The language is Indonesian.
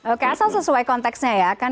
oke asal sesuai konteksnya ya